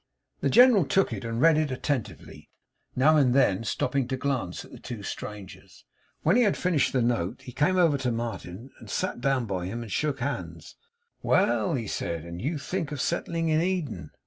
The General took it and read it attentively; now and then stopping to glance at the two strangers. When he had finished the note, he came over to Martin, sat down by him, and shook hands. 'Well!' he said, 'and you think of settling in Eden?